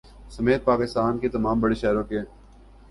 سمیت پاکستان کے تمام بڑے شہروں کے